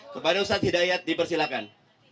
kepada ustadz hidayat dipersilakan